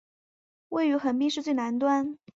位于横滨市最南端。